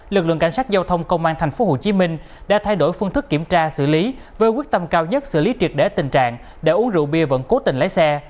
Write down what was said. lực lượng cảnh sát giao thông công an tp hcm đã thay đổi phương thức kiểm tra xử lý với quyết tâm cao nhất xử lý triệt để tình trạng đã uống rượu bia vẫn cố tình lấy xe